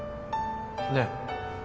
ねえ。